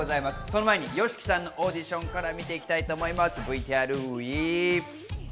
その前にＹＯＳＨＩＫＩさんのオーディションから見ていきます、ＶＴＲＷＥ！